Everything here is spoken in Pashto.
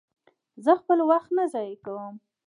زه خپل وخت نه ضایع کوم.